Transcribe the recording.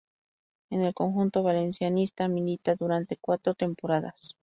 En el conjunto valencianista milita durante cuatro temporadas.